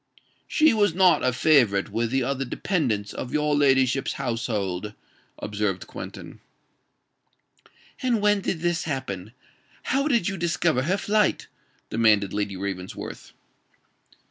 "She was not a favorite with the other dependants of your ladyship's household," observed Quentin. "And when did this happen? how did you discover her flight?" demanded Lady Ravensworth.